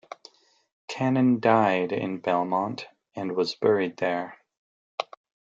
Cannon died in Belmont and was buried there.